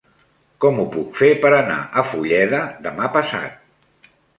Com ho puc fer per anar a Fulleda demà passat?